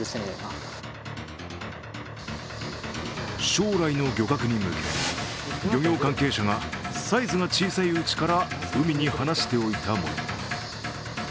将来の漁獲に向け、漁業関係者がサイズが小さいうちから海に放しておいたもの。